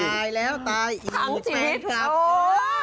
ตายแล้วตายอีกทั้งชีวิตครับ